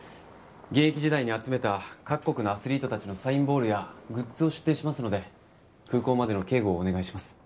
現役時代に集めた各国のアスリートたちのサインボールやグッズを出展しますので空港までの警護をお願いします。